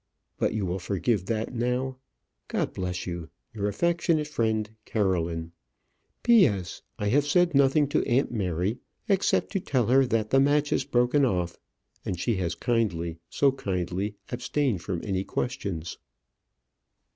But you will forgive that now. God bless you. Your affectionate friend, CAROLINE. P.S. I have said nothing to aunt Mary, except to tell her that the match is broken off; and she has kindly so kindly, abstained from any questions.